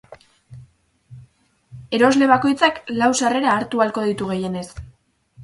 Erosle bakoitzak lau sarrera hartu ahalko ditu gehienez.